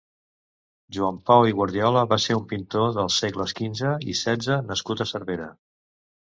Joan Pau i Guardiola va ser un pintor dels segles quinze i setze nascut a Cervera.